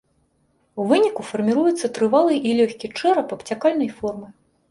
У выніку фарміруецца трывалы і лёгкі чэрап абцякальнай формы.